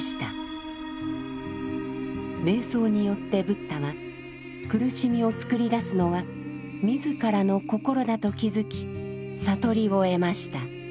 瞑想によってブッダは苦しみを作り出すのは自らの心だと気づき悟りを得ました。